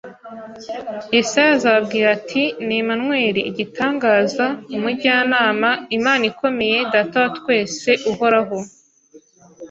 Yesaya azababwira ati : Ni Immanueli. Igitangaza, umujyanama, Imana ikomeye, Data wa twese uhoraho,